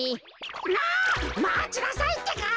あ！まちなさいってか。